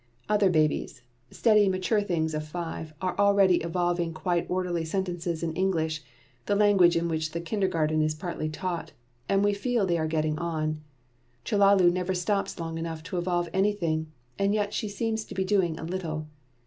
Other babies, steady, mature things of five, are already evolving quite orderly sentences in English the language in which the kindergarten is partly taught and we feel they are getting on. Chellalu never stops long enough to evolve anything, and yet she seems to be doing a little.